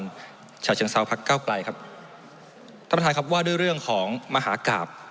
ฉะเชิงเซาพักเก้าไกลครับท่านประธานครับว่าด้วยเรื่องของมหากราบ